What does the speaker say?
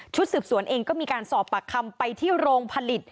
สืบสวนเองก็มีการสอบปากคำไปที่โรงผลิต